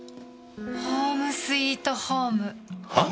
ホームスイートホーム。は？